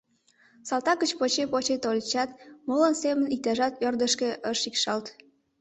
Салтак гыч поче-поче тольычат, молын семын, иктыжат ӧрдыжкӧ ыш шикшалт.